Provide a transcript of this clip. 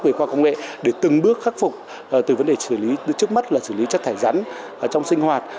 về qua công lệ để từng bước khắc phục từ vấn đề xử lý trước mắt là xử lý chất thải rắn trong sinh hoạt